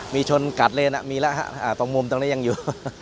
มีชนกัดเร่มนะตรงมุมตรงนี้ยังอยู่